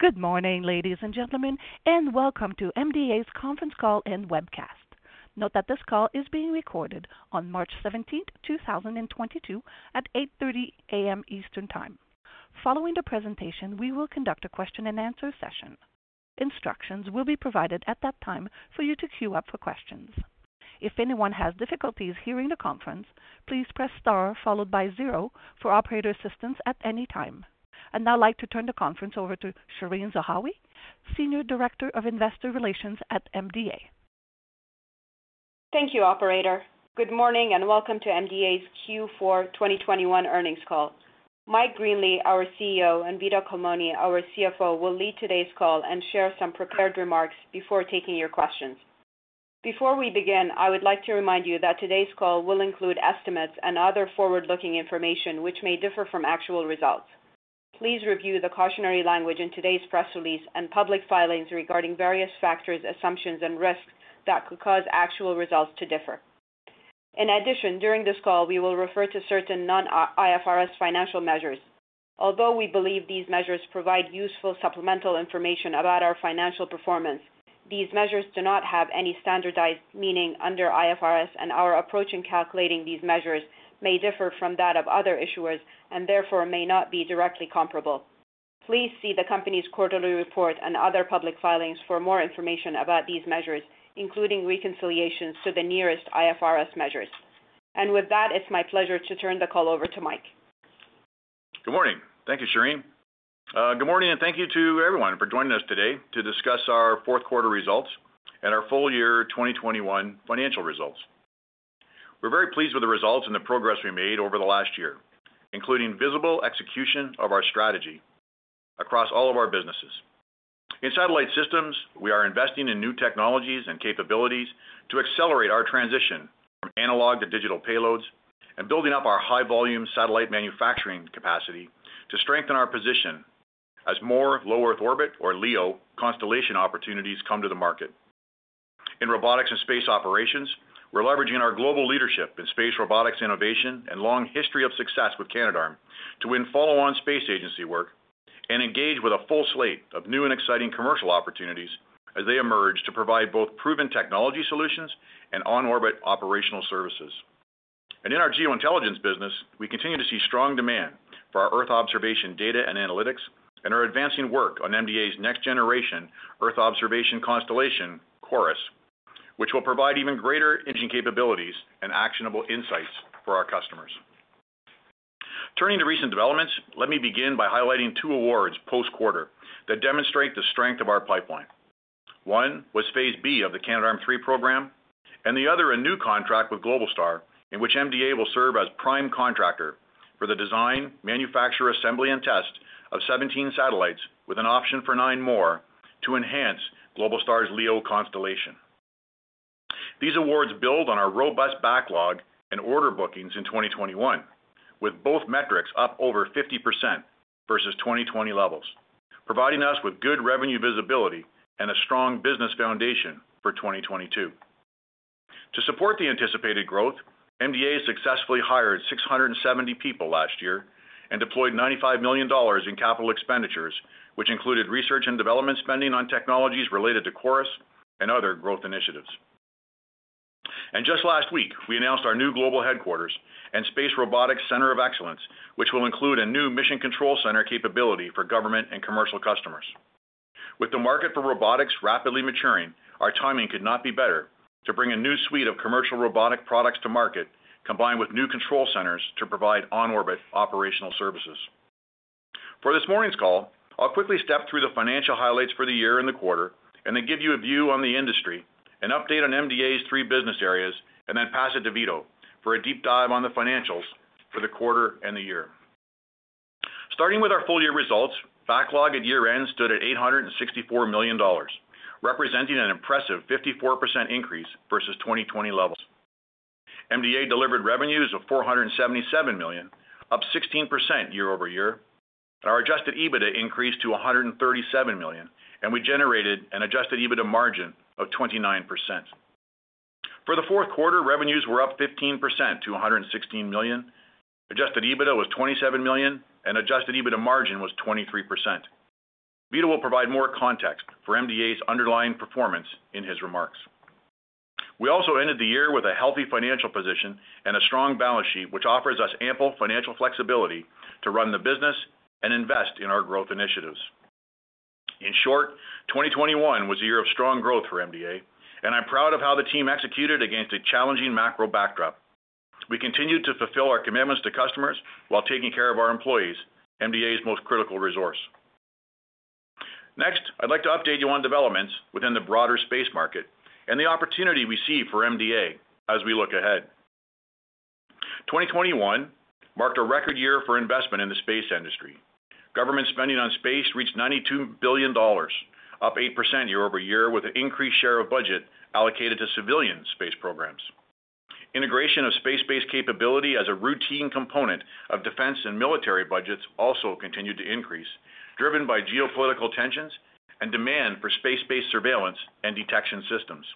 Good morning ladies and gentlemen and welcome to MDA's conference call and webcast. Note that this call is being recorded on March 17th, 2022 at 8:30 A.M. Eastern Time. Following the presentation, we will conduct a question and answer session. Instructions will be provided at that time for you to queue up for questions. If anyone has difficulties hearing the conference, please press star followed by zero for operator assistance at any time. I'd now like to turn the conference over to Shereen Zahawi, Senior Director of Investor Relations at MDA. Thank you operator. Good morning and welcome to MDA's Q4 2021 earnings call. Mike Greenley, our CEO, and Vito Culmone, our CFO, will lead today's call and share some prepared remarks before taking your questions. Before we begin, I would like to remind you that today's call will include estimates and other forward-looking information which may differ from actual results. Please review the cautionary language in today's press release and public filings regarding various factors, assumptions, and risks that could cause actual results to differ. In addition, during this call, we will refer to certain non-IFRS financial measures. Although we believe these measures provide useful supplemental information about our financial performance, these measures do not have any standardized meaning under IFRS and our approach in calculating these measures may differ from that of other issuers and therefore may not be directly comparable. Please see the company's quarterly report and other public filings for more information about these measures, including reconciliations to the nearest IFRS measures. With that, it's my pleasure to turn the call over to Mike. Good morning. Thank you Shereen. Good morning and thank you to everyone for joining us today to discuss our fourth quarter results and our full year 2021 financial results. We're very pleased with the results and the progress we made over the last year, including visible execution of our strategy across all of our businesses. In satellite systems, we are investing in new technologies and capabilities to accelerate our transition from analog to digital payloads and building up our high-volume satellite manufacturing capacity to strengthen our position as more low Earth orbit or LEO constellation opportunities come to the market. In robotics and space operations, we're leveraging our global leadership in space robotics innovation and long history of success with Canadarm to win follow-on space agency work and engage with a full slate of new and exciting commercial opportunities as they emerge to provide both proven technology solutions and on-orbit operational services. In our Geointelligence business, we continue to see strong demand for our Earth observation data and analytics and are advancing work on MDA's next-generation Earth observation constellation, CHORUS, which will provide even greater imaging capabilities and actionable insights for our customers. Turning to recent developments, let me begin by highlighting two awards post-quarter that demonstrate the strength of our pipeline. One was phase B of the Canadarm3 program, and the other a new contract with Globalstar, in which MDA will serve as prime contractor for the design, manufacture, assembly, and test of 17 satellites with an option for 9 more to enhance Globalstar's LEO constellation. These awards build on our robust backlog and order bookings in 2021, with both metrics up over 50% versus 2020 levels, providing us with good revenue visibility and a strong business foundation for 2022. To support the anticipated growth, MDA successfully hired 670 people last year and deployed 95 million dollars in capital expenditures, which included research and development spending on technologies related to Chorus and other growth initiatives. Just last week, we announced our new global headquarters and Space Robotics Centre of Excellence, which will include a new mission control center capability for government and commercial customers. With the market for robotics rapidly maturing, our timing could not be better to bring a new suite of commercial robotic products to market, combined with new control centers to provide on-orbit operational services. For this morning's call, I'll quickly step through the financial highlights for the year and the quarter and then give you a view on the industry, an update on MDA's three business areas, and then pass it to Vito for a deep dive on the financials for the quarter and the year. Starting with our full-year results, backlog at year-end stood at 864 million dollars, representing an impressive 54% increase versus 2020 levels. MDA delivered revenues of 477 million, up 16% year-over-year. Our Adjusted EBITDA increased to 137 million, and we generated an Adjusted EBITDA margin of 29%. For the fourth quarter, revenues were up 15% to 116 million. Adjusted EBITDA was 27 million, and Adjusted EBITDA margin was 23%. Vito will provide more context for MDA's underlying performance in his remarks. We also ended the year with a healthy financial position and a strong balance sheet, which offers us ample financial flexibility to run the business and invest in our growth initiatives. In short, 2021 was a year of strong growth for MDA, and I'm proud of how the team executed against a challenging macro backdrop. We continued to fulfill our commitments to customers while taking care of our employees, MDA's most critical resource. Next, I'd like to update you on developments within the broader space market and the opportunity we see for MDA as we look ahead. 2021 marked a record year for investment in the space industry. Government spending on space reached $92 billion, up 8% year-over-year, with an increased share of budget allocated to civilian space programs. Integration of space-based capability as a routine component of defense and military budgets also continued to increase, driven by geopolitical tensions and demand for space-based surveillance and detection systems.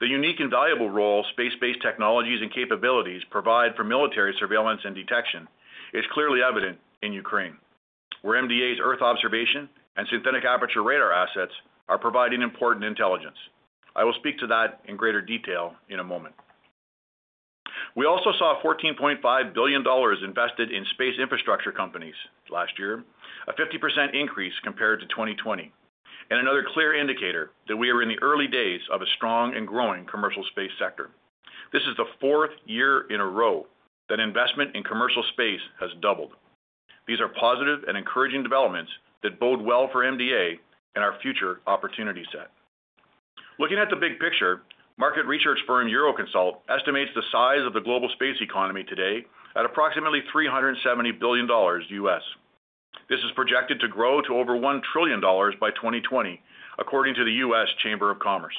The unique and valuable role space-based technologies and capabilities provide for military surveillance and detection is clearly evident in Ukraine, where MDA's Earth observation and synthetic aperture radar assets are providing important intelligence. I will speak to that in greater detail in a moment. We also saw $14.5 billion invested in space infrastructure companies last year, a 50% increase compared to 2020, and another clear indicator that we are in the early days of a strong and growing commercial space sector. This is the fourth year in a row that investment in commercial space has doubled. These are positive and encouraging developments that bode well for MDA and our future opportunity set. Looking at the big picture, market research firm Euroconsult estimates the size of the global space economy today at approximately $370 billion. This is projected to grow to over $1 trillion by 2020, according to the U.S. Chamber of Commerce.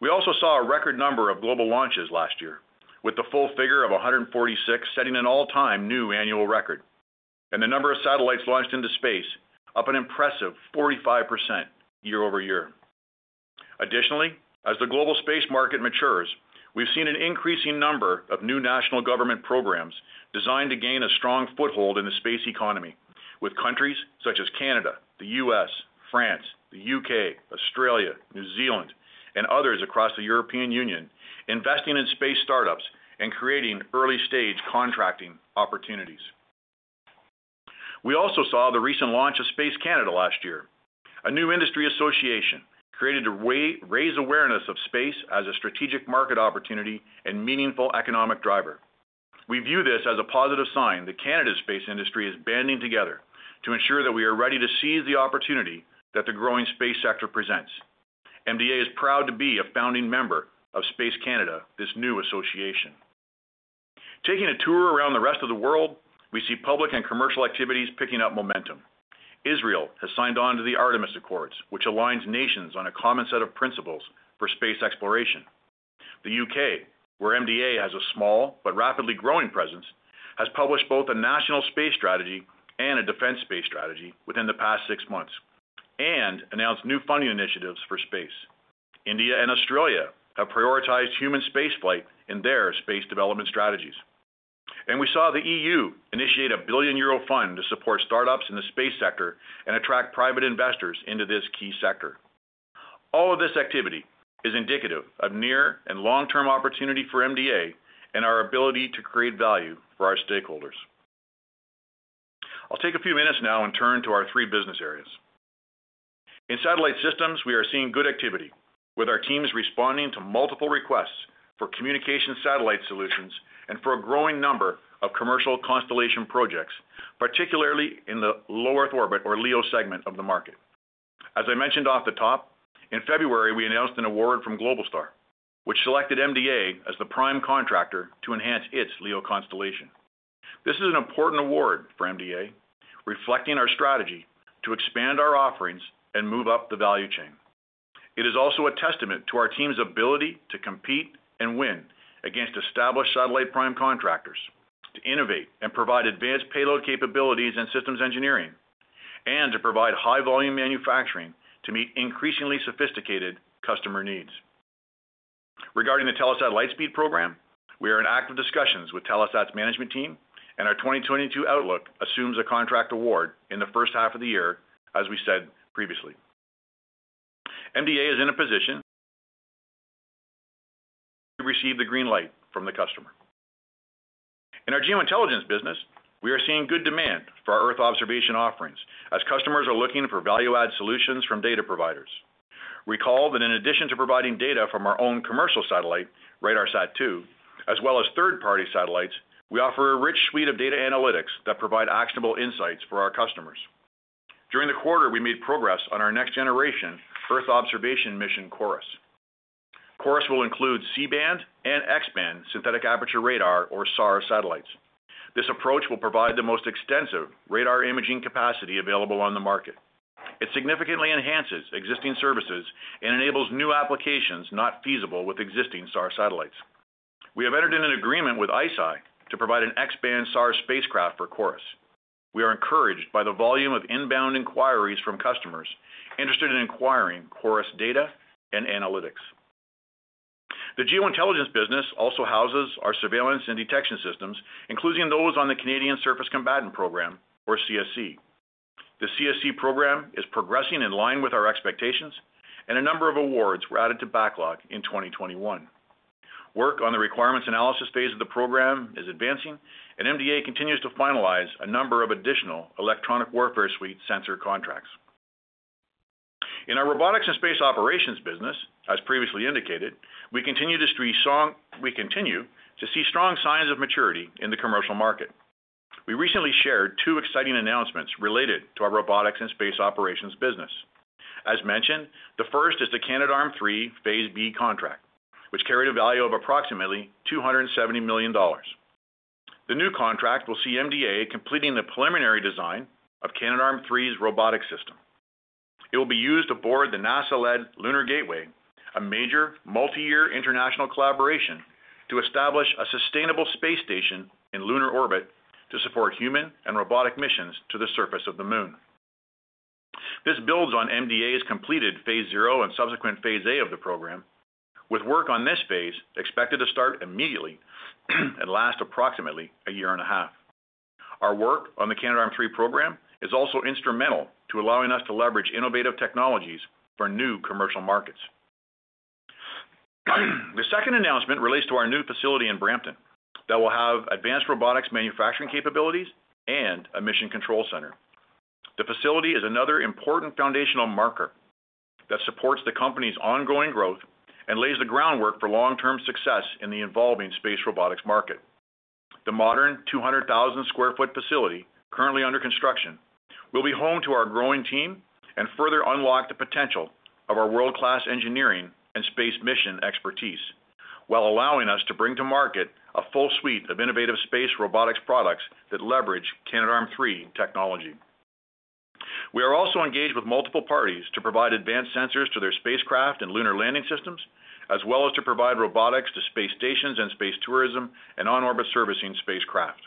We also saw a record number of global launches last year, with the full figure of 146 setting an all-time new annual record, and the number of satellites launched into space up an impressive 45% year-over-year. Additionally, as the global space market matures, we've seen an increasing number of new national government programs designed to gain a strong foothold in the space economy with countries such as Canada, the U.S., France, the U.K., Australia, New Zealand, and others across the European Union investing in space startups and creating early-stage contracting opportunities. We also saw the recent launch of Space Canada last year, a new industry association created to raise awareness of space as a strategic market opportunity and meaningful economic driver. We view this as a positive sign that Canada's space industry is banding together to ensure that we are ready to seize the opportunity that the growing space sector presents. MDA is proud to be a founding member of Space Canada, this new association. Taking a tour around the rest of the world, we see public and commercial activities picking up momentum. Israel has signed on to the Artemis Accords, which aligns nations on a common set of principles for space exploration. The U.K., where MDA has a small but rapidly growing presence, has published both a national space strategy and a defense space strategy within the past six months and announced new funding initiatives for space. India and Australia have prioritized human spaceflight in their space development strategies. We saw the EU initiate a 1 billion euro fund to support startups in the space sector and attract private investors into this key sector. All of this activity is indicative of near and long-term opportunity for MDA and our ability to create value for our stakeholders. I'll take a few minutes now and turn to our three business areas. In satellite systems, we are seeing good activity, with our teams responding to multiple requests for communication satellite solutions and for a growing number of commercial constellation projects, particularly in the low Earth orbit or LEO segment of the market. As I mentioned off the top, in February, we announced an award from Globalstar, which selected MDA as the prime contractor to enhance its LEO constellation. This is an important award for MDA, reflecting our strategy to expand our offerings and move up the value chain. It is also a testament to our team's ability to compete and win against established satellite prime contractors, to innovate and provide advanced payload capabilities and systems engineering, and to provide high-volume manufacturing to meet increasingly sophisticated customer needs. Regarding the Telesat Lightspeed program, we are in active discussions with Telesat's management team, and our 2022 outlook assumes a contract award in the first half of the year, as we said previously. MDA is in a position to receive the green light from the customer. In our Geointelligence business, we are seeing good demand for our Earth observation offerings as customers are looking for value-add solutions from data providers. Recall that in addition to providing data from our own commercial satellite, RADARSAT-2, as well as third-party satellites, we offer a rich suite of data analytics that provide actionable insights for our customers. During the quarter, we made progress on our next-generation Earth observation mission, CHORUS. CHORUS will include C-band and X-band synthetic aperture radar or SAR satellites. This approach will provide the most extensive radar imaging capacity available on the market. It significantly enhances existing services and enables new applications not feasible with existing SAR satellites. We have entered in an agreement with ICEYE to provide an X-band SAR spacecraft for Chorus. We are encouraged by the volume of inbound inquiries from customers interested in acquiring Chorus data and analytics. The Geointelligence business also houses our surveillance and detection systems, including those on the Canadian Surface Combatant program, or CSC. The CSC program is progressing in line with our expectations, and a number of awards were added to backlog in 2021. Work on the requirements analysis phase of the program is advancing, and MDA continues to finalize a number of additional electronic warfare suite sensor contracts. In our robotics and space operations business, as previously indicated, we continue to see strong signs of maturity in the commercial market. We recently shared two exciting announcements related to our robotics and space operations business. As mentioned, the first is the Canadarm3 Phase B contract, which carried a value of approximately 270 million dollars. The new contract will see MDA completing the preliminary design of Canadarm3's robotic system. It will be used aboard the NASA-led Lunar Gateway, a major multi-year international collaboration to establish a sustainable space station in lunar orbit to support human and robotic missions to the surface of the Moon. This builds on MDA's completed phase zero and subsequent phase A of the program, with work on this phase expected to start immediately and last approximately a year and a half. Our work on the Canadarm3 program is also instrumental to allowing us to leverage innovative technologies for new commercial markets. The second announcement relates to our new facility in Brampton that will have advanced robotics manufacturing capabilities and a mission control center. The facility is another important foundational marker that supports the company's ongoing growth and lays the groundwork for long-term success in the evolving space robotics market. The modern 200,000 sq ft facility, currently under construction, will be home to our growing team and further unlock the potential of our world-class engineering and space mission expertise, while allowing us to bring to market a full suite of innovative space robotics products that leverage Canadarm3 technology. We are also engaged with multiple parties to provide advanced sensors to their spacecraft and lunar landing systems, as well as to provide robotics to space stations and space tourism and on-orbit servicing spacecraft.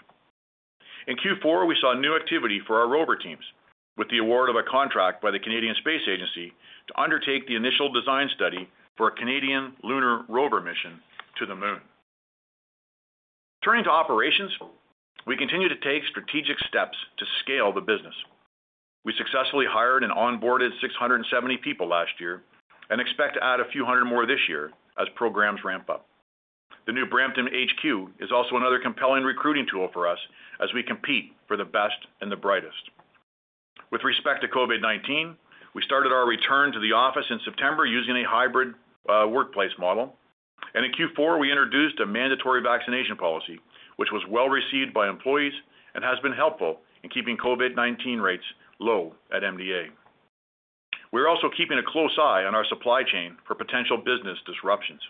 In Q4, we saw new activity for our rover teams with the award of a contract by the Canadian Space Agency to undertake the initial design study for a Canadian lunar rover mission to the moon. Turning to operations, we continue to take strategic steps to scale the business. We successfully hired and onboarded 670 people last year, and expect to add a few hundred more this year as programs ramp up. The new Brampton HQ is also another compelling recruiting tool for us as we compete for the best and the brightest. With respect to COVID-19, we started our return to the office in September using a hybrid workplace model. In Q4, we introduced a mandatory vaccination policy, which was well-received by employees and has been helpful in keeping COVID-19 rates low at MDA. We're also keeping a close eye on our supply chain for potential business disruptions.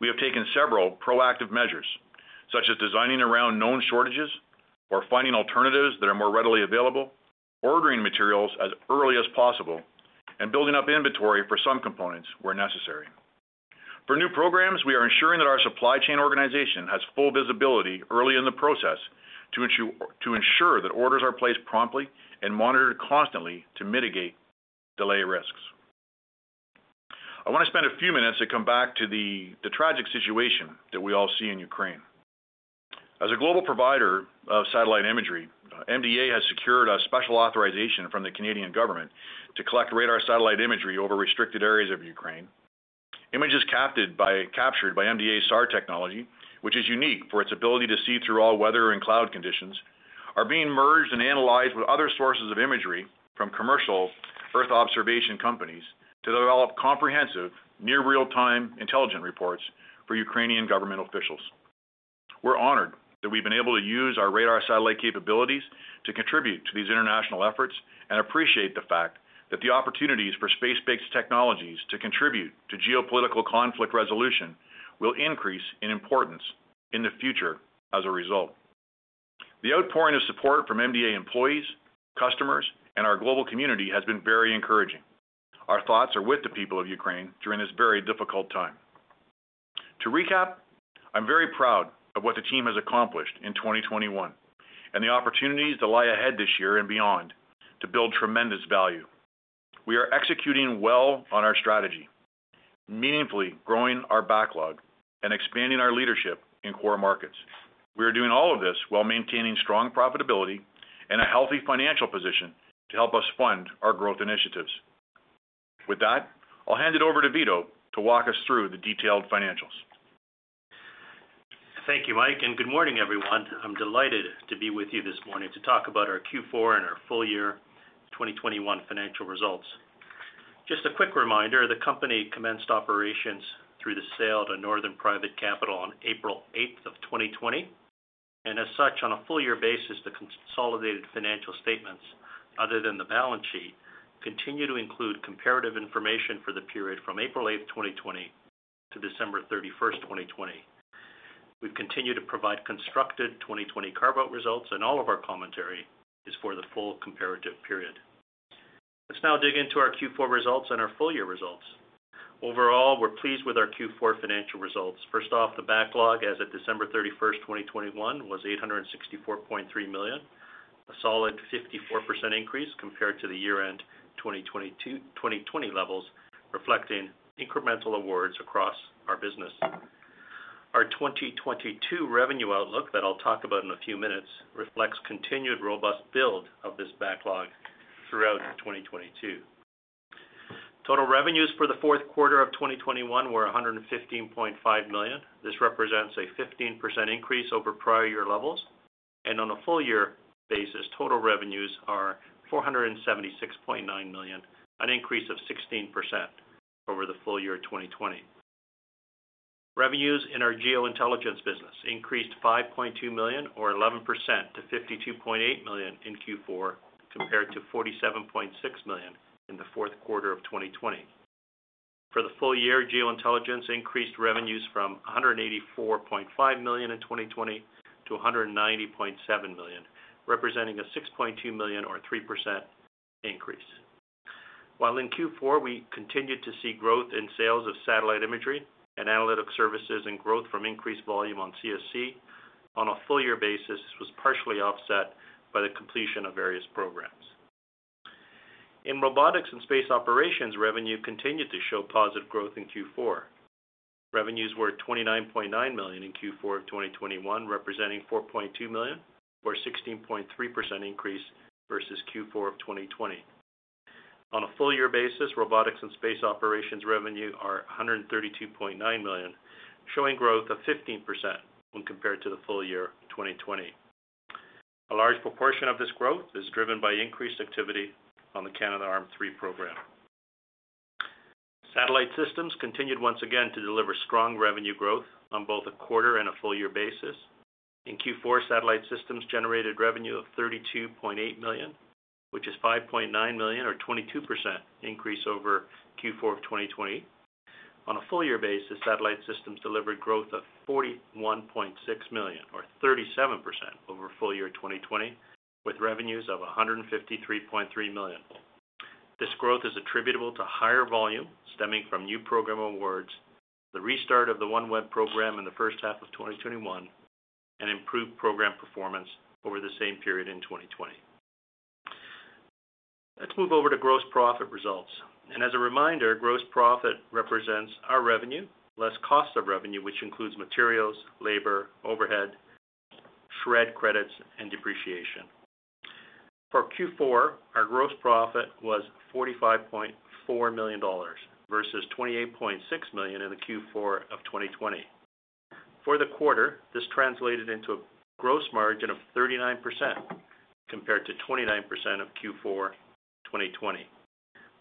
We have taken several proactive measures, such as designing around known shortages or finding alternatives that are more readily available, ordering materials as early as possible, and building up inventory for some components where necessary. For new programs, we are ensuring that our supply chain organization has full visibility early in the process to ensure that orders are placed promptly and monitored constantly to mitigate delay risks. I wanna spend a few minutes to come back to the tragic situation that we all see in Ukraine. As a global provider of satellite imagery, MDA has secured a special authorization from the Canadian government to collect radar satellite imagery over restricted areas of Ukraine. Images captured by MDA's SAR technology, which is unique for its ability to see through all weather and cloud conditions, are being merged and analyzed with other sources of imagery from commercial earth observation companies to develop comprehensive near real-time intelligent reports for Ukrainian government officials. We're honored that we've been able to use our radar satellite capabilities to contribute to these international efforts, and appreciate the fact that the opportunities for space-based technologies to contribute to geopolitical conflict resolution will increase in importance in the future as a result. The outpouring of support from MDA employees, customers, and our global community has been very encouraging. Our thoughts are with the people of Ukraine during this very difficult time. To recap, I'm very proud of what the team has accomplished in 2021, and the opportunities that lie ahead this year and beyond to build tremendous value. We are executing well on our strategy, meaningfully growing our backlog and expanding our leadership in core markets. We are doing all of this while maintaining strong profitability and a healthy financial position to help us fund our growth initiatives. With that, I'll hand it over to Vito to walk us through the detailed financials. Thank you Mike and good morning everyone. I'm delighted to be with you this morning to talk about our Q4 and our full year 2021 financial results. Just a quick reminder, the company commenced operations through the sale to Northern Private Capital on April 8th, 2020. As such, on a full year basis, the consolidated financial statements, other than the balance sheet, continue to include comparative information for the period from April 8th, 2020 to December 31st, 2020. We continue to provide constructed 2020 carve-out results, and all of our commentary is for the full comparative period. Let's now dig into our Q4 results and our full year results. Overall, we're pleased with our Q4 financial results. First off, the backlog as of December 31st, 2021, was 864.3 million, a solid 54% increase compared to the year-end 2020 levels, reflecting incremental awards across our business. Our 2022 revenue outlook that I'll talk about in a few minutes reflects continued robust build of this backlog throughout 2022. Total revenues for the fourth quarter of 2021 were 115.5 million. This represents a 15% increase over prior year levels. On a full year basis, total revenues are 476.9 million, an increase of 16% over the full year 2020. Revenues in our Geointelligence business increased 5.2 million or 11% to 52.8 million in Q4, compared to 47.6 million in the fourth quarter of 2020. For the full year, Geointelligence increased revenues from 184.5 million in 2020 to 190.7 million, representing 6.2 million or 3% increase. While in Q4, we continued to see growth in sales of satellite imagery and analytic services and growth from increased volume on CSC, on a full-year basis, this was partially offset by the completion of various programs. In robotics and space operations, revenue continued to show positive growth in Q4. Revenues were 29.9 million in Q4 of 2021, representing 4.2 million or 16.3% increase versus Q4 of 2020. On a full-year basis, robotics and space operations revenue are 132.9 million, showing growth of 15% when compared to the full year 2020. A large proportion of this growth is driven by increased activity on the Canadarm3 program. Satellite Systems continued once again to deliver strong revenue growth on both a quarter and a full-year basis. In Q4, Satellite Systems generated revenue of 32.8 million, which is 5.9 million or 22% increase over Q4 of 2020. On a full-year basis, Satellite Systems delivered growth of 41.6 million or 37% over full year 2020, with revenues of 153.3 million. This growth is attributable to higher volume stemming from new program awards, the restart of the OneWeb program in the first half of 2021, and improved program performance over the same period in 2020. Let's move over to gross profit results. As a reminder, gross profit represents our revenue, less cost of revenue, which includes materials, labor, overhead, R&D credits, and depreciation. For Q4, our gross profit was 45.4 million dollars, versus 28.6 million in the Q4 of 2020. For the quarter, this translated into a gross margin of 39% compared to 29% in Q4 of 2020.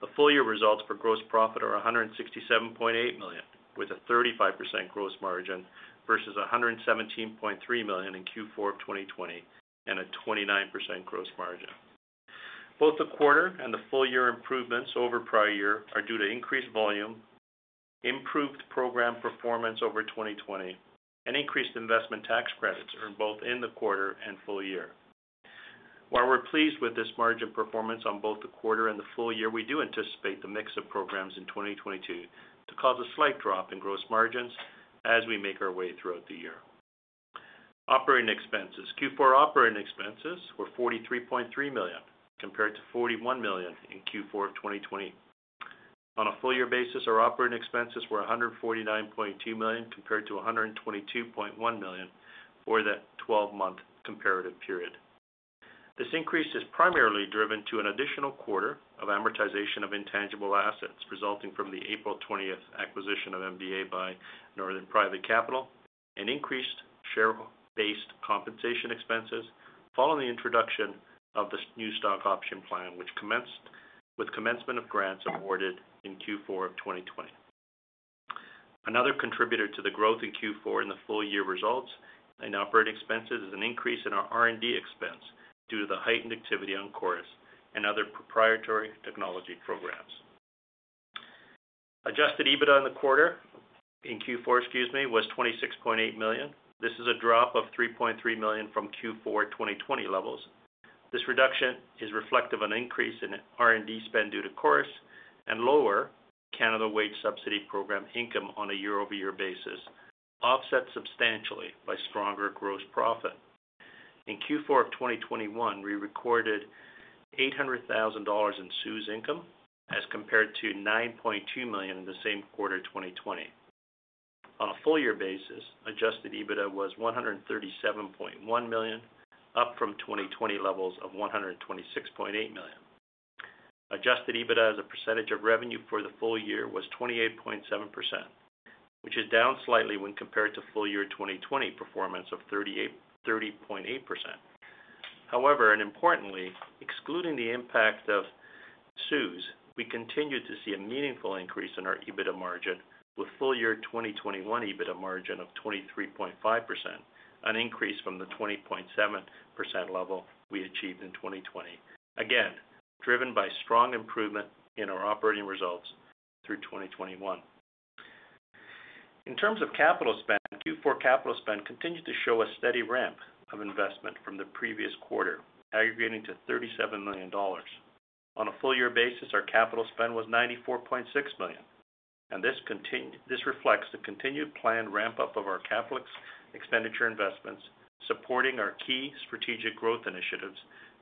The full-year results for gross profit are 167.8 million, with a 35% gross margin versus 117.3 million in 2020 and a 29% gross margin. Both the quarter and the full-year improvements over prior year are due to increased volume, improved program performance over 2020, and increased investment tax credits earned both in the quarter and full year. While we're pleased with this margin performance on both the quarter and the full year, we do anticipate the mix of programs in 2022 to cause a slight drop in gross margins as we make our way throughout the year. Operating expenses. Q4 operating expenses were 43.3 million, compared to 41 million in Q4 of 2020. On a full-year basis, our operating expenses were 149.2 million, compared to 122.1 million for that twelve-month comparative period. This increase is primarily driven to an additional quarter of amortization of intangible assets resulting from the April 20th acquisition of MDA by Northern Private Capital and increased share-based compensation expenses following the introduction of this new stock option plan, which commenced with commencement of grants awarded in Q4 of 2020. Another contributor to the growth in Q4 in the full-year results in operating expenses is an increase in our R&D expense due to the heightened activity on CHORUS and other proprietary technology programs. Adjusted EBITDA in Q4, excuse me, was 26.8 million. This is a drop of 3.3 million from Q4 2020 levels. This reduction is reflective of an increase in R&D spend due to CHORUS and lower Canada Emergency Wage Subsidy income on a year-over-year basis, offset substantially by stronger gross profit. In Q4 of 2021, we recorded 800 thousand dollars in CEWS income as compared to 9.2 million in the same quarter 2020. On a full-year basis, Adjusted EBITDA was 137.1 million, up from 2020 levels of 126.8 million. Adjusted EBITDA as a percentage of revenue for the full year was 28.7%, which is down slightly when compared to full-year 2020 performance of 30.8%. However, and importantly, excluding the impact of CEWS, we continued to see a meaningful increase in our EBITDA margin with full-year 2021 EBITDA margin of 23.5%, an increase from the 20.7% level we achieved in 2020, again, driven by strong improvement in our operating results through 2021. In terms of capital spend, Q4 capital spend continued to show a steady ramp of investment from the previous quarter, aggregating to 37 million dollars. On a full-year basis, our capital spend was 94.6 million, and this reflects the continued planned ramp-up of our CapEx expenditure investments, supporting our key strategic growth initiatives,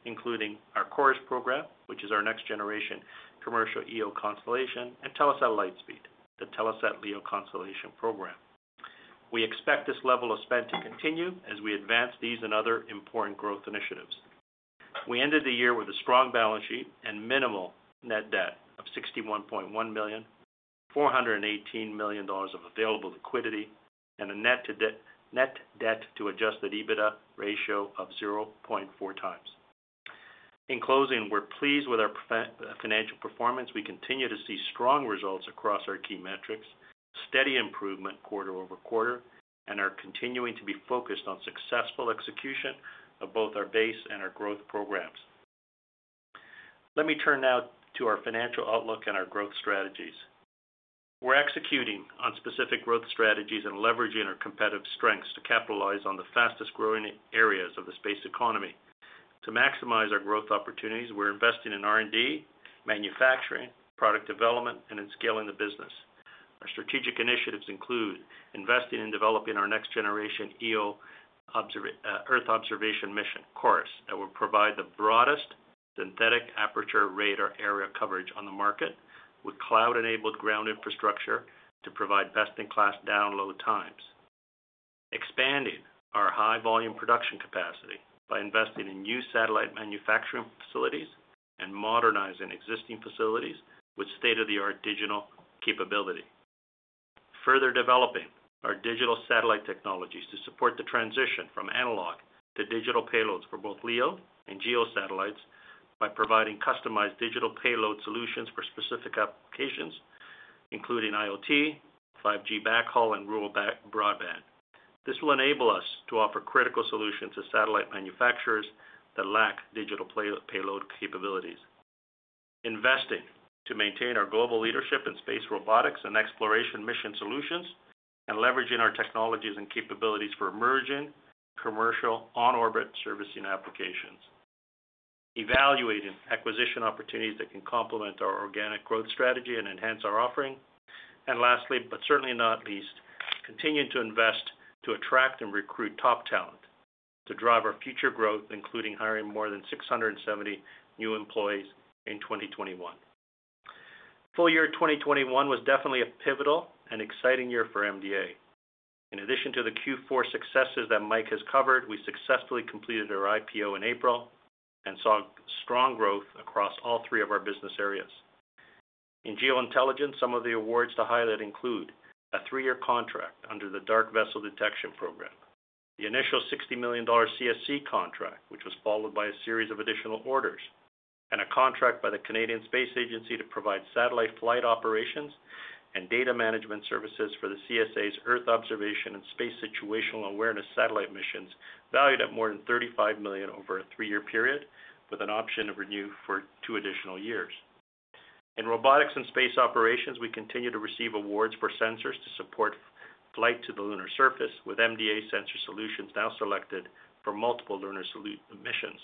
including our CHORUS program, which is our next-generation commercial EO constellation, and Telesat Lightspeed, the Telesat LEO constellation program. We expect this level of spend to continue as we advance these and other important growth initiatives. We ended the year with a strong balance sheet and minimal net debt of 61.1 million, 418 million dollars of available liquidity, and a net debt to adjusted EBITDA ratio of 0.4x. In closing, we're pleased with our financial performance. We continue to see strong results across our key metrics, steady improvement quarter-over-quarter, and are continuing to be focused on successful execution of both our base and our growth programs. Let me turn now to our financial outlook and our growth strategies. We're executing on specific growth strategies and leveraging our competitive strengths to capitalize on the fastest-growing areas of the space economy. To maximize our growth opportunities, we're investing in R&D, manufacturing, product development, and in scaling the business. Our strategic initiatives include investing in developing our next-generation EO Earth observation mission, CHORUS, that will provide the broadest synthetic aperture radar area coverage on the market, with cloud-enabled ground infrastructure to provide best-in-class download times. Expanding our high-volume production capacity by investing in new satellite manufacturing facilities and modernizing existing facilities with state-of-the-art digital capability. Further developing our digital satellite technologies to support the transition from analog to digital payloads for both LEO and GEO satellites by providing customized digital payload solutions for specific applications, including IoT, 5G backhaul, and rural broadband. This will enable us to offer critical solutions to satellite manufacturers that lack digital payload capabilities. Investing to maintain our global leadership in space robotics and exploration mission solutions, and leveraging our technologies and capabilities for emerging commercial on-orbit servicing applications. Evaluating acquisition opportunities that can complement our organic growth strategy and enhance our offering. Lastly, but certainly not least, continuing to invest to attract and recruit top talent to drive our future growth, including hiring more than 670 new employees in 2021. Full year 2021 was definitely a pivotal and exciting year for MDA. In addition to the Q4 successes that Mike has covered, we successfully completed our IPO in April and saw strong growth across all three of our business areas. In Geointelligence, some of the awards to highlight include a three-year contract under the Dark Vessel Detection Program, the initial 60 million dollar CSC contract, which was followed by a series of additional orders, and a contract by the Canadian Space Agency to provide satellite flight operations and data management services for the CSA's Earth observation and space situational awareness satellite missions, valued at more than 35 million over a three-year period, with an option to renew for two additional years. In Robotics and Space Operations, we continue to receive awards for sensors to support flight to the lunar surface, with MDA Sensor Solutions now selected for multiple lunar missions.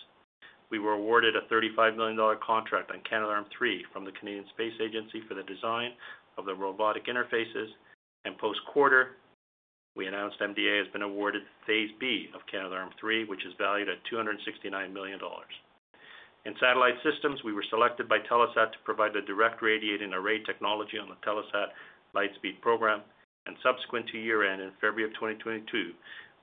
We were awarded a 35 million dollar contract on Canadarm3 from the Canadian Space Agency for the design of the robotic interfaces, and post-quarter, we announced MDA has been awarded Phase B of Canadarm3, which is valued at 269 million dollars. In Satellite Systems, we were selected by Telesat to provide the direct radiating array technology on the Telesat Lightspeed program, and subsequent to year-end in February of 2022,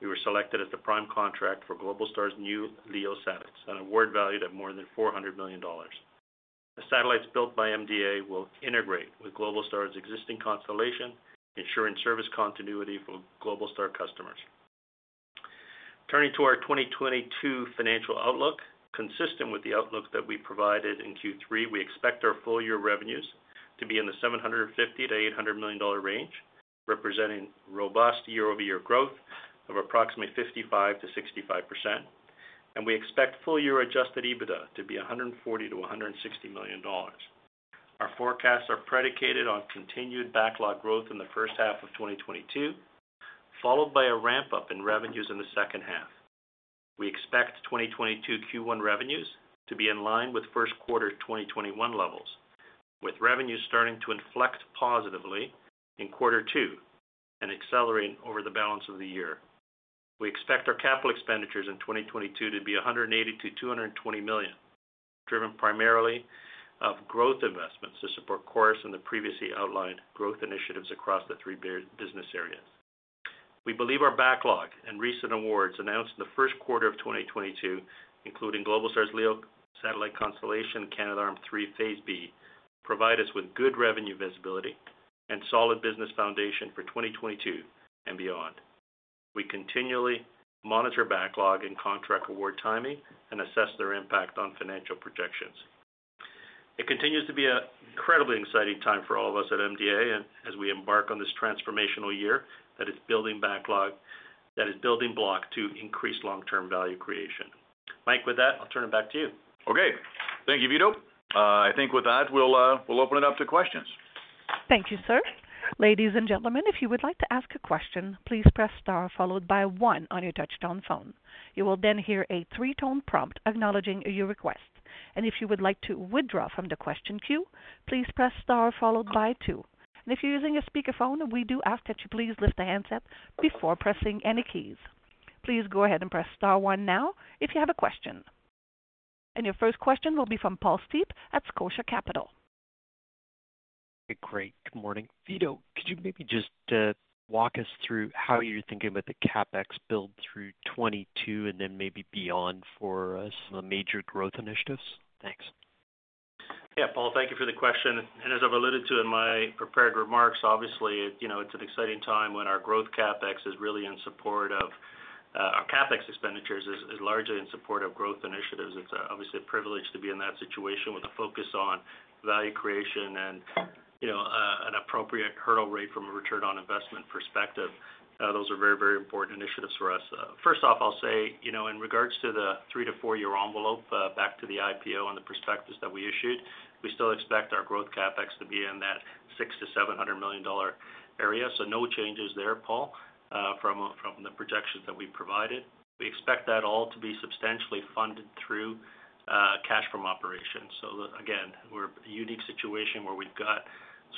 we were selected as the prime contract for Globalstar's new LEO satellites, an award valued at more than 400 million dollars. The satellites built by MDA will integrate with Globalstar's existing constellation, ensuring service continuity for Globalstar customers. Turning to our 2022 financial outlook. Consistent with the outlook that we provided in Q3, we expect our full-year revenues to be in the 750 million-800 million dollar range, representing robust year-over-year growth of approximately 55%-65%, and we expect full-year Adjusted EBITDA to be 140 million-160 million dollars. Our forecasts are predicated on continued backlog growth in the first half of 2022, followed by a ramp-up in revenues in the second half. We expect 2022 Q1 revenues to be in line with first quarter 2021 levels, with revenues starting to inflect positively in quarter two and accelerating over the balance of the year. We expect our capital expenditures in 2022 to be 180 million-220 million, driven primarily by growth investments to support CHORUS and the previously outlined growth initiatives across the three business areas. We believe our backlog and recent awards announced in the first quarter of 2022, including Globalstar's LEO satellite constellation, Canadarm3 Phase B, provide us with good revenue visibility and solid business foundation for 2022 and beyond. We continually monitor backlog and contract award timing and assess their impact on financial projections. It continues to be an incredibly exciting time for all of us at MDA as we embark on this transformational year that is building block to increase long-term value creation. Mike, with that, I'll turn it back to you. Okay. Thank you Vito. I think with that, we'll open it up to questions. Thank you sir. Ladies and gentlemen, if you would like to ask a question, please press star followed by one on your touchtone phone. You will then hear a three-tone prompt acknowledging your request. If you would like to withdraw from the question queue, please press star followed by two. If you're using a speakerphone, we do ask that you please lift the handset before pressing any keys. Please go ahead and press star one now if you have a question. Your first question will be from Paul Steep at Scotia Capital. Great. Good morning. Vito, could you maybe just walk us through how you're thinking about the CapEx build through 2022 and then maybe beyond for some major growth initiatives? Thanks. Yeah. Paul, thank you for the question. As I've alluded to in my prepared remarks, obviously, you know, it's an exciting time when our growth CapEx is really in support of our CapEx expenditures is largely in support of growth initiatives. It's obviously a privilege to be in that situation with a focus on value creation and, you know, an appropriate hurdle rate from a return on investment perspective, those are very, very important initiatives for us. First off, I'll say, you know, in regards to the 3-4 year envelope, back to the IPO on the prospectus that we issued, we still expect our growth CapEx to be in that 600 million-700 million dollar area. No changes there, Paul, from the projections that we provided. We expect that all to be substantially funded through cash from operations. Again, we're a unique situation where we've got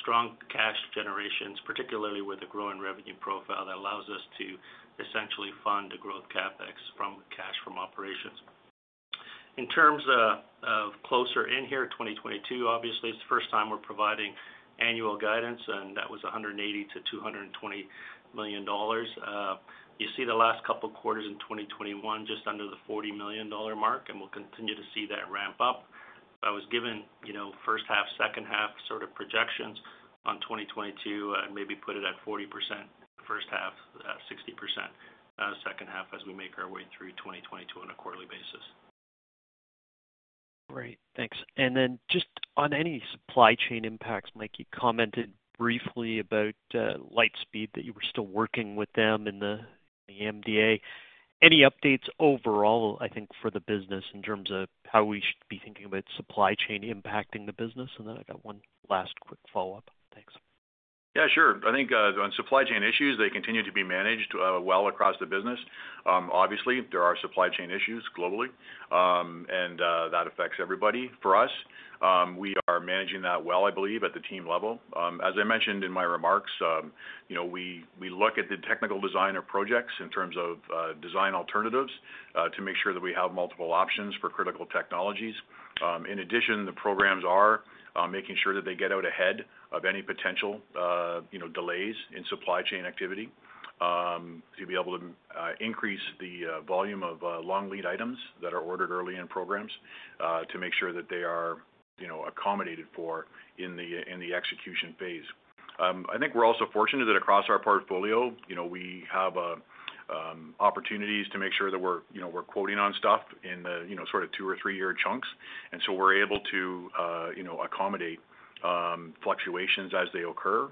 strong cash generations, particularly with the growing revenue profile that allows us to essentially fund the growth CapEx from cash from operations. In terms of closer in here, 2022, obviously it's the first time we're providing annual guidance, and that was 180 million-220 million dollars. You see the last couple of quarters in 2021, just under the 40 million dollar mark, and we'll continue to see that ramp up. If I was given, you know, first half, second half sort of projections on 2022, I'd maybe put it at 40% first half, 60% second half as we make our way through 2022 on a quarterly basis. Great. Thanks. Just on any supply chain impacts, Mike, you commented briefly about Lightspeed, that you were still working with them in the MDA. Any updates overall, I think, for the business in terms of how we should be thinking about supply chain impacting the business? I got one last quick follow-up. Thanks. Yeah, sure. I think on supply chain issues, they continue to be managed well across the business. Obviously, there are supply chain issues globally, and that affects everybody. For us, we are managing that well, I believe, at the team level. As I mentioned in my remarks, you know, we look at the technical design of projects in terms of design alternatives to make sure that we have multiple options for critical technologies. In addition, the programs are making sure that they get out ahead of any potential, you know, delays in supply chain activity to be able to increase the volume of long lead items that are ordered early in programs to make sure that they are, you know, accommodated for in the execution phase. I think we're also fortunate that across our portfolio, you know, we have opportunities to make sure that we're, you know, we're quoting on stuff in the, you know, sort of 2 or 3-year chunks. We're able to, you know, accommodate fluctuations as they occur,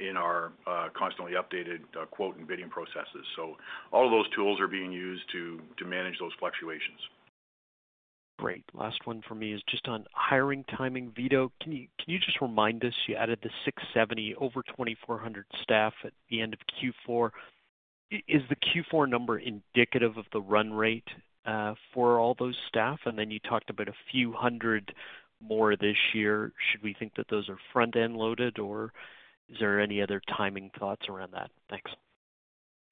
in our constantly updated quote and bidding processes. All of those tools are being used to manage those fluctuations. Great. Last one for me is just on hiring timing. Vito, can you just remind us, you added the 670 over 2,400 staff at the end of Q4. Is the Q4 number indicative of the run rate for all those staff? And then you talked about a few hundred more this year. Should we think that those are front-end loaded, or is there any other timing thoughts around that? Thanks.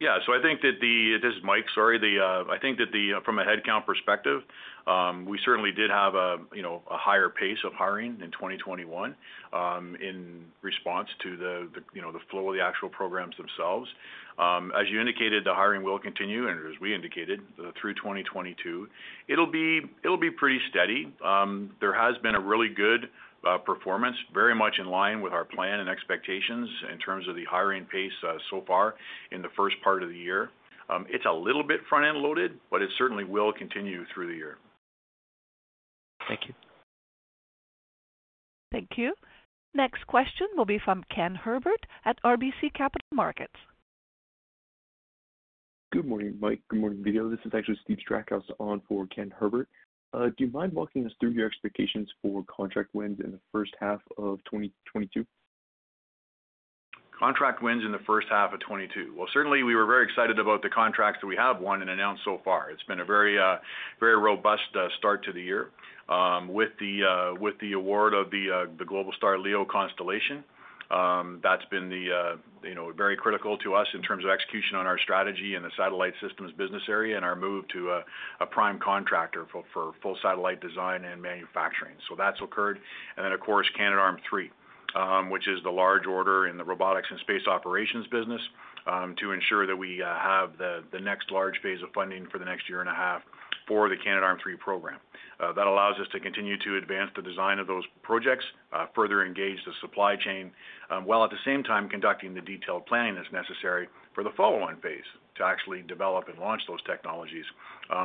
This is Mike, sorry. I think that from a headcount perspective, we certainly did have, you know, a higher pace of hiring in 2021 in response to the, you know, the flow of the actual programs themselves. As you indicated, the hiring will continue, and as we indicated through 2022. It'll be pretty steady. There has been a really good performance, very much in line with our plan and expectations in terms of the hiring pace so far in the first part of the year. It's a little bit front-end loaded, but it certainly will continue through the year. Thank you. Thank you. Next question will be from Kenneth Herbert at RBC Capital Markets. Good morning Mike. Good morning Vito. This is actually Steve Strachan on for Kenneth Herbert. Do you mind walking us through your expectations for contract wins in the first half of 2022? Contract wins in the first half of 2022. Well, certainly we were very excited about the contracts that we have won and announced so far. It's been a very robust start to the year with the award of the Globalstar LEO constellation. That's been the, you know, very critical to us in terms of execution on our strategy in the satellite systems business area and our move to a prime contractor for full satellite design and manufacturing. That's occurred. Of course, Canadarm3, which is the large order in the robotics and space operations business, to ensure that we have the next large phase of funding for the next year and a half for the Canadarm3 program. That allows us to continue to advance the design of those projects, further engage the supply chain, while at the same time conducting the detailed planning that's necessary for the following phase to actually develop and launch those technologies,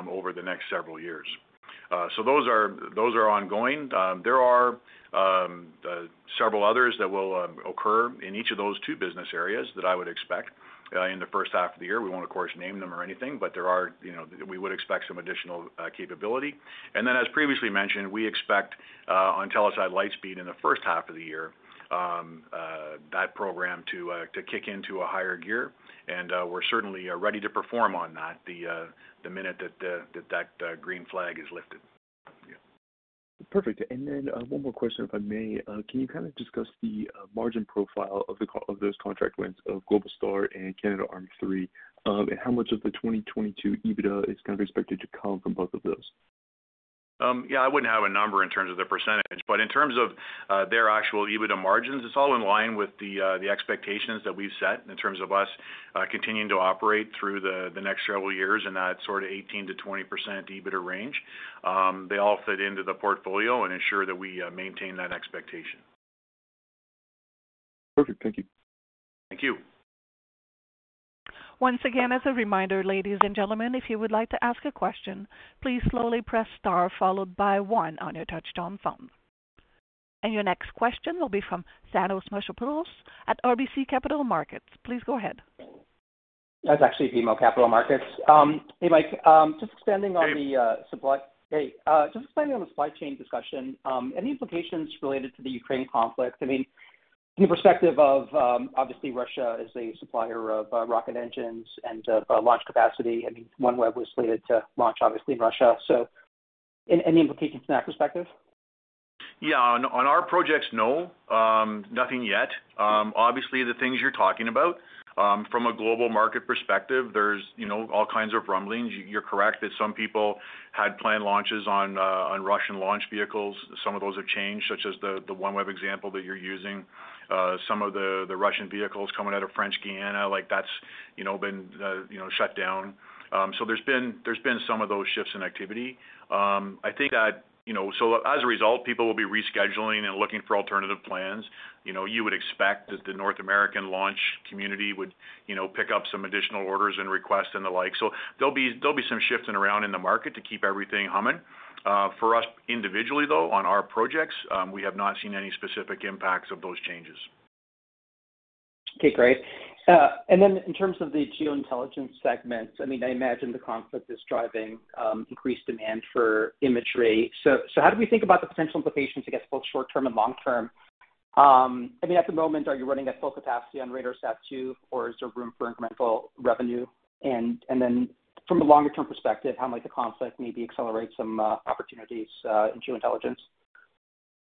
over the next several years. Those are ongoing. There are several others that will occur in each of those two business areas that I would expect in the first half of the year. We won't, of course, name them or anything, but there are, you know, we would expect some additional capability. As previously mentioned, we expect on Telesat Lightspeed in the first half of the year that program to kick into a higher gear, and we're certainly ready to perform on that the minute that green flag is lifted. Yeah. Perfect. One more question, if I may. Can you kind of discuss the margin profile of those contract wins of Globalstar and Canadarm3? How much of the 2022 EBITDA is kind of expected to come from both of those? I wouldn't have a number in terms of the percentage, but in terms of their actual EBITDA margins, it's all in line with the expectations that we've set in terms of us continuing to operate through the next several years in that sort of 18%-20% EBITDA range. They all fit into the portfolio and ensure that we maintain that expectation. Perfect. Thank you. Thank you. Once again, as a reminder, ladies and gentlemen, if you would like to ask a question, please slowly press star followed by one on your touchtone phone. Your next question will be from Thanos Moschopoulos at BMO Capital Markets. Please go ahead. That's actually BMO Capital Markets. Hey, Mike, just expanding on the supply chain discussion, any implications related to the Ukraine conflict? I mean, from the perspective of, obviously Russia is a supplier of rocket engines and launch capacity. I mean, OneWeb was slated to launch obviously in Russia, so any implications from that perspective? Yeah. On our projects, no. Nothing yet. Obviously, the things you're talking about from a global market perspective, there's, you know, all kinds of rumblings. You're correct that some people had planned launches on Russian launch vehicles. Some of those have changed, such as the OneWeb example that you're using. Some of the Russian vehicles coming out of French Guiana, like that's, you know, been shut down. There's been some of those shifts in activity. I think that, you know, so as a result, people will be rescheduling and looking for alternative plans. You know, you would expect that the North American launch community would, you know, pick up some additional orders and requests and the like. There'll be some shifting around in the market to keep everything humming. For us individually, though, on our projects, we have not seen any specific impacts of those changes. Okay. Great. In terms of the Geointelligence segments, I mean, I imagine the conflict is driving increased demand for imagery. How do we think about the potential implications, I guess, both short-term and long-term? I mean, at the moment, are you running at full capacity on RADARSAT-2, or is there room for incremental revenue? From a longer term perspective, how might the conflict maybe accelerate some opportunities in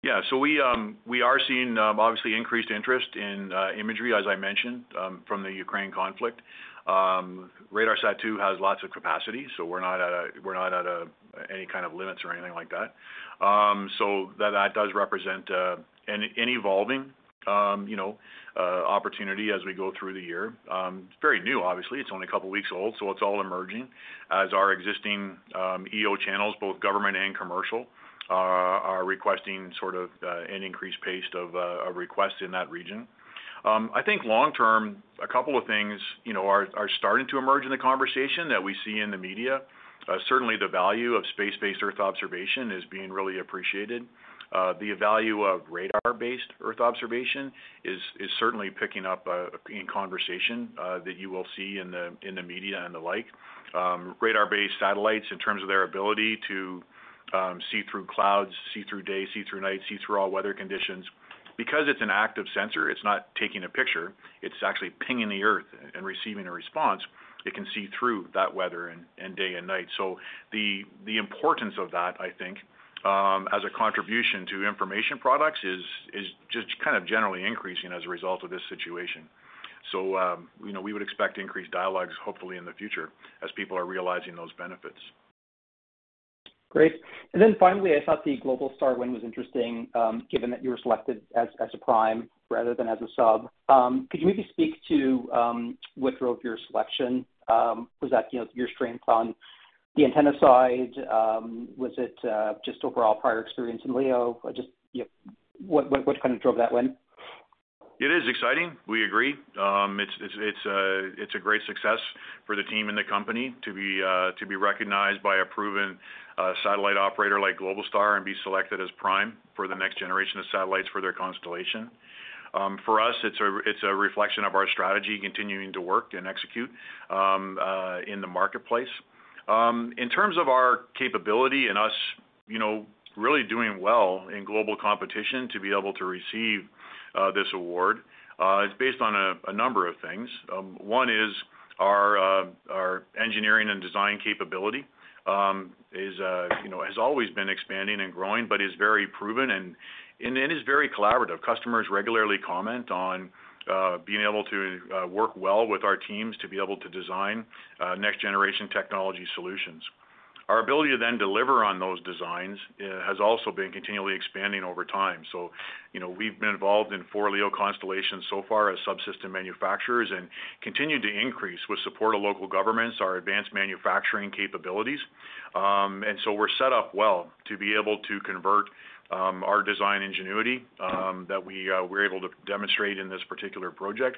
Geointelligence? We are seeing obviously increased interest in imagery, as I mentioned, from the Ukraine conflict. RADARSAT-2 has lots of capacity, so we're not at any kind of limits or anything like that. That does represent an evolving you know opportunity as we go through the year. It's very new, obviously. It's only a couple weeks old, so it's all emerging as our existing EO channels, both government and commercial, are requesting sort of an increased pace of requests in that region. I think long term, a couple of things, you know, are starting to emerge in the conversation that we see in the media. Certainly the value of space-based earth observation is being really appreciated. The value of radar-based Earth observation is certainly picking up in conversation that you will see in the media and the like. Radar-based satellites in terms of their ability to see through clouds, see through day, see through night, see through all weather conditions. Because it's an active sensor, it's not taking a picture, it's actually pinging the Earth and receiving a response, it can see through that weather and day and night. The importance of that, I think, as a contribution to information products is just kind of generally increasing as a result of this situation. You know, we would expect increased dialogues hopefully in the future as people are realizing those benefits. Great. Finally, I thought the Globalstar win was interesting, given that you were selected as a prime rather than as a sub. Could you maybe speak to what drove your selection? Was that, you know, your strength on the antenna side? Was it just overall prior experience in LEO? Just yeah, what kind of drove that win? It is exciting. We agree. It's a great success for the team and the company to be recognized by a proven satellite operator like Globalstar and be selected as prime for the next generation of satellites for their constellation. For us, it's a reflection of our strategy continuing to work and execute in the marketplace. In terms of our capability and us, you know, really doing well in global competition to be able to receive this award, it's based on a number of things. One is our engineering and design capability, you know, has always been expanding and growing but is very proven and is very collaborative. Customers regularly comment on being able to work well with our teams to be able to design next generation technology solutions. Our ability to then deliver on those designs has also been continually expanding over time. You know, we've been involved in 4 LEO constellations so far as subsystem manufacturers and continue to increase with support of local governments, our advanced manufacturing capabilities. We're set up well to be able to convert our design ingenuity that we're able to demonstrate in this particular project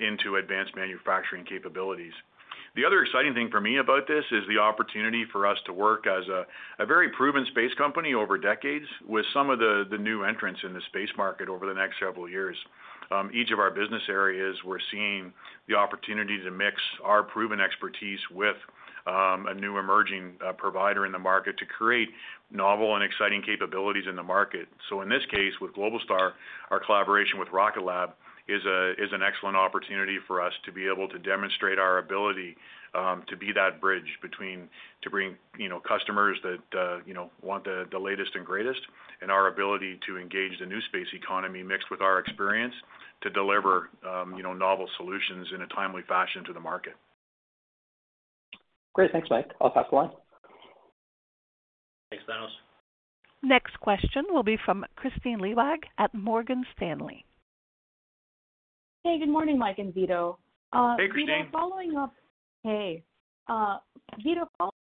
into advanced manufacturing capabilities. The other exciting thing for me about this is the opportunity for us to work as a very proven space company over decades with some of the new entrants in the space market over the next several years. Each of our business areas, we're seeing the opportunity to mix our proven expertise with a new emerging provider in the market to create novel and exciting capabilities in the market. In this case, with Globalstar, our collaboration with Rocket Lab is an excellent opportunity for us to be able to demonstrate our ability to be that bridge between to bring, you know, customers that, you know, want the latest and greatest, and our ability to engage the new space economy mixed with our experience to deliver, you know, novel solutions in a timely fashion to the market. Great. Thanks Mike. I'll pass the line. Thanks Thanos. Next question will be from Kristine Liwag at Morgan Stanley. Hey, good morning Mike and Vito. Hey Kristine. Vito, following up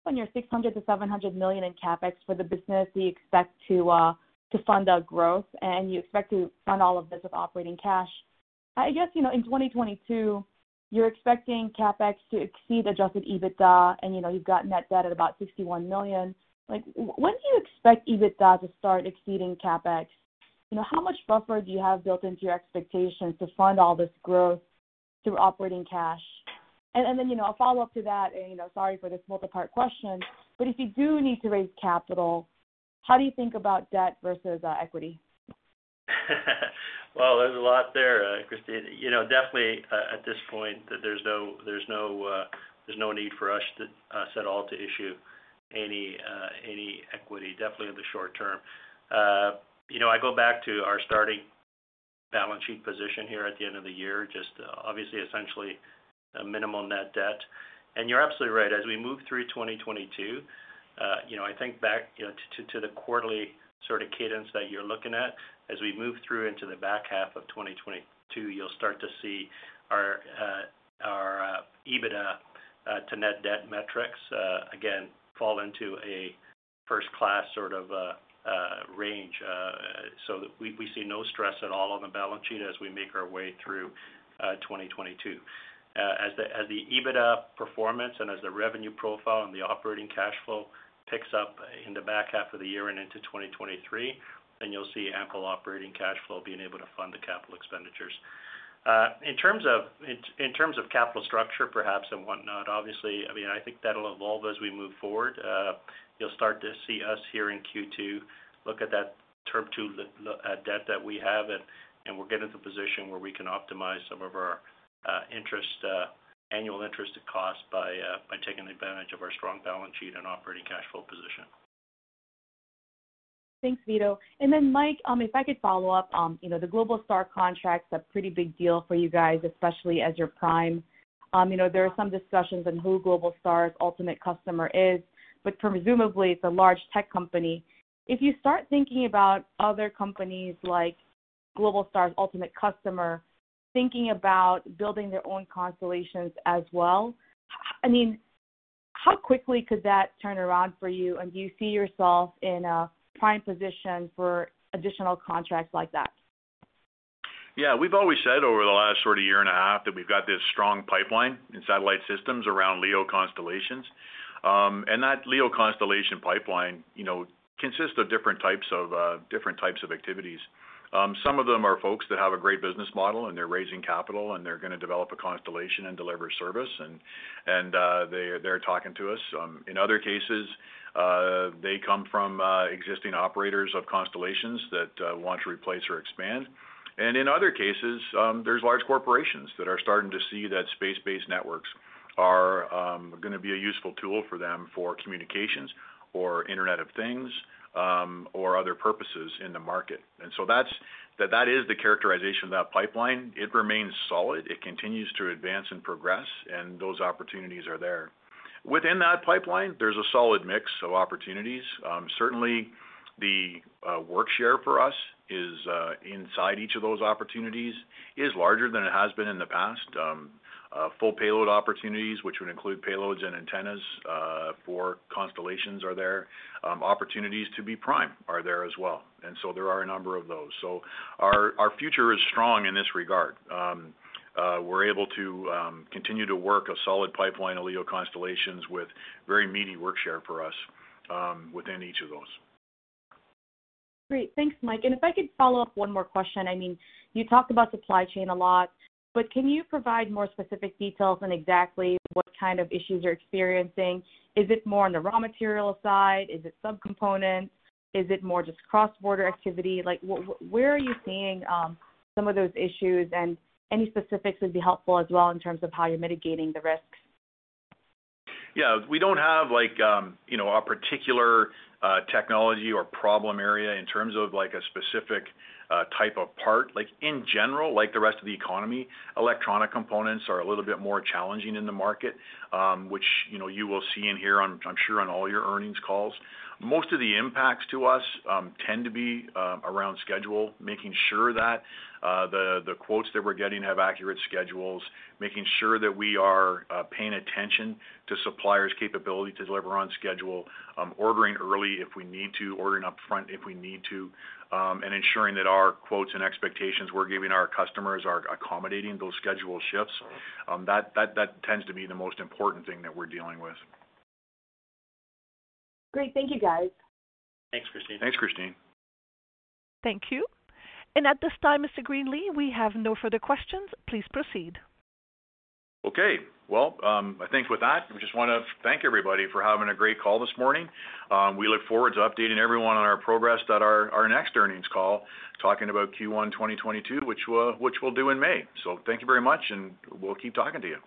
on your 600 million-700 million in CapEx for the business you expect to fund growth, and you expect to fund all of this with operating cash. I guess, you know, in 2022, you're expecting CapEx to exceed Adjusted EBITDA, and, you know, you've got net debt at about 61 million. Like, when do you expect EBITDA to start exceeding CapEx? You know, how much buffer do you have built into your expectations to fund all this growth through operating cash? And then, you know, a follow-up to that, and, you know, sorry for this multi-part question. If you do need to raise capital, how do you think about debt versus equity? Well, there's a lot there, Kristine. You know, definitely at this point, there's no need for us to set out to issue any equity, definitely in the short term. You know, I go back to our starting balance sheet position here at the end of the year, just obviously, essentially a minimal net debt. You're absolutely right. As we move through 2022, you know, I think back, you know, to the quarterly sort of cadence that you're looking at. As we move through into the back half of 2022, you'll start to see our EBITDA to net debt metrics again fall into a first-class sort of range. We see no stress at all on the balance sheet as we make our way through 2022. As the EBITDA performance and the revenue profile and the operating cash flow picks up in the back half of the year and into 2023, then you'll see ample operating cash flow being able to fund the capital expenditures. In terms of capital structure perhaps and whatnot, obviously, I mean, I think that'll evolve as we move forward. You'll start to see us here in Q2 look at that term loan debt that we have, and we'll get into the position where we can optimize some of our annual interest costs by taking advantage of our strong balance sheet and operating cash flow position. Thanks, Vito. Mike, if I could follow up. You know, the Globalstar contract's a pretty big deal for you guys, especially as your prime. You know, there are some discussions on who Globalstar's ultimate customer is, but presumably, it's a large tech company. If you start thinking about other companies like Globalstar's ultimate customer thinking about building their own constellations as well, how, I mean, how quickly could that turn around for you? Do you see yourself in a prime position for additional contracts like that? Yeah. We've always said over the last sort of year and a half that we've got this strong pipeline in satellite systems around LEO constellations. That LEO constellation pipeline, you know, consists of different types of activities. Some of them are folks that have a great business model, and they're raising capital, and they're gonna develop a constellation and deliver service. They're talking to us. In other cases, they come from existing operators of constellations that want to replace or expand. In other cases, there's large corporations that are starting to see that space-based networks are gonna be a useful tool for them for communications or Internet of Things or other purposes in the market. That is the characterization of that pipeline. It remains solid. It continues to advance and progress, and those opportunities are there. Within that pipeline, there's a solid mix of opportunities. Certainly, the work share for us inside each of those opportunities is larger than it has been in the past. Full payload opportunities, which would include payloads and antennas for constellations, are there. Opportunities to be prime are there as well. There are a number of those. Our future is strong in this regard. We're able to continue to work a solid pipeline of LEO constellations with very meaty work share for us within each of those. Great. Thanks Mike. If I could follow up one more question. I mean, you talked about supply chain a lot, but can you provide more specific details on exactly what kind of issues you're experiencing? Is it more on the raw material side? Is it subcomponents? Is it more just cross-border activity? Like, where are you seeing some of those issues? Any specifics would be helpful as well in terms of how you're mitigating the risks. Yeah. We don't have like, you know, a particular technology or problem area in terms of, like, a specific type of part. Like, in general, like the rest of the economy, electronic components are a little bit more challenging in the market, which, you know, you will see in here, I'm sure, on all your earnings calls. Most of the impacts to us tend to be around schedule, making sure that the quotes that we're getting have accurate schedules, making sure that we are paying attention to suppliers' capability to deliver on schedule, ordering early if we need to, ordering up front if we need to, and ensuring that our quotes and expectations we're giving our customers are accommodating those schedule shifts. That tends to be the most important thing that we're dealing with. Great. Thank you guys. Thanks Kristine. Thanks Kristine. Thank you. At this time, Mr. Greenley, we have no further questions. Please proceed. Okay. Well, I think with that, we just wanna thank everybody for having a great call this morning. We look forward to updating everyone on our progress at our next earnings call, talking about Q1 2022, which we'll do in May. Thank you very much, and we'll keep talking to you.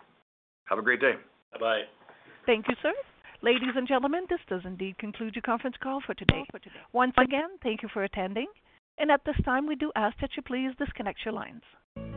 Have a great day. Bye-bye. Thank you sir. Ladies and gentlemen, this does indeed conclude your conference call for today. Once again, thank you for attending. At this time, we do ask that you please disconnect your lines.